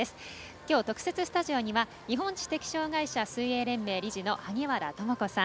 きょう、特設スタジオには日本知的障害者水泳連盟理事の萩原智子さん。